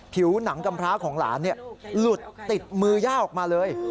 ผิวหนังกำพร้าของหลานหลุดติดมือย่าออกมาเลย